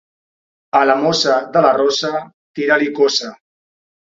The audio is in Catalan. A la mossa de la rossa, tira-li coça.